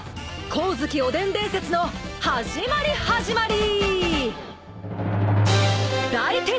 光月おでん伝説の始まり始まり！